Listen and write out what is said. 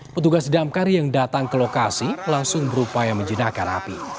petugas damkar yang datang ke lokasi langsung berupaya menjinakkan api